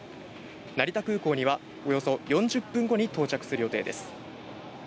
成田空港には、およそ４０分後に到着する予定です。